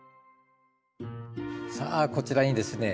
さあこちらにですね